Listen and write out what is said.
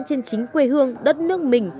trên chính quê hương đất nước mình